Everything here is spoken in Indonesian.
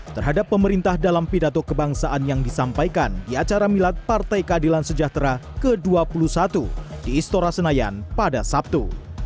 terhadap pemerintah dalam pidato kebangsaan yang disampaikan di acara milad partai keadilan sejahtera ke dua puluh satu di istora senayan pada sabtu